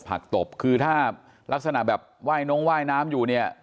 พักตบคือถ้ารักษณะแบบไหว้นุ้งไหว้น้ำอยู่นี่